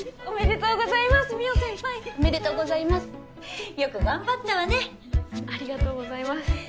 おめでとうございます！